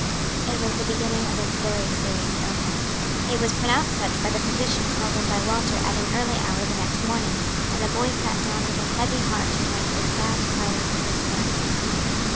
It was the beginning of a very serious illness. It was pronounced such by the physician called in by Walter at an early hour the next morning, and the boy sat down with a heavy heart to write the sad tidings to his parents.